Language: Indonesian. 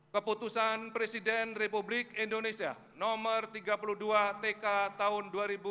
keputusan presiden republik indonesia nomor tiga puluh dua tk tahun dua ribu dua puluh